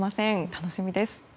楽しみです。